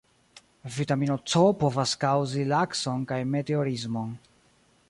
Vitamino C povas kaŭzi lakson kaj meteorismon.